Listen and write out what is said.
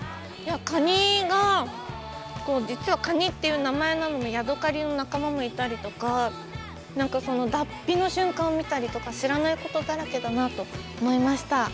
カニが実はカニっていう名前なのにヤドカリの仲間がいたりとかなんか脱皮の瞬間を見たりとか知らないことだらけだなと思いました。